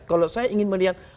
kalau saya ingin melihat